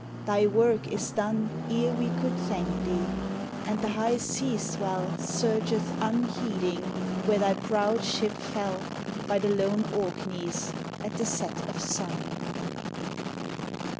Thy work is done Ere we could thank thee; and the high sea swell Surgeth unheeding where thy proud ship fell By the lone Orkneys, at the set of sun.